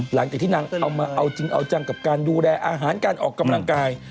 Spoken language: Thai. หลังจากที่นางเอามาเอาจริงเอาจังกับการดูแลอาหารการออกกำลังกาย